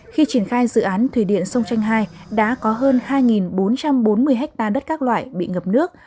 khi triển khai dự án thủy điện sông chanh hai đã có hơn hai bốn trăm bốn mươi ha đất các loại bị ngập nước